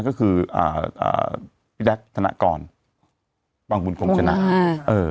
ก็คืออ่าอ่าพี่แจ๊คธนกรวังบุญคงชนะอ่าเออ